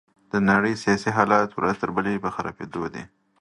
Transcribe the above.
د نړۍ سياسي حالات ورځ تر بلې په خرابيدو دي.